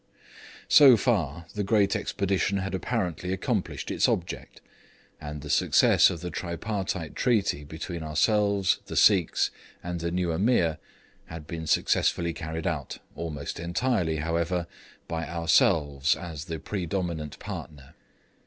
So far the great expedition had apparently accomplished its object, and the success of the tripartite treaty between ourselves, the Sikhs, and the new Ameer had been successfully carried out, almost entirely, however, by ourselves as the pre dominant partner.